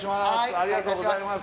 ありがとうございます